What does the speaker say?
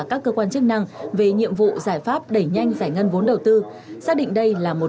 các cơ quan chức năng về nhiệm vụ giải pháp đẩy nhanh giải ngân vốn đầu tư xác định đây là một